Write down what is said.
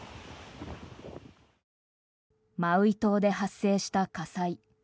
マウイ島で発生した火災。